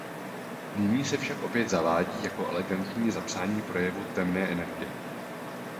Nyní se však opět zavádí jako elegantní zapsání projevu temné energie.